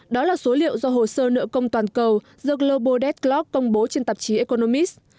đó là số liệu do hồ sơ nợ công toàn cầu the global death clock công bố trên tạp chí economist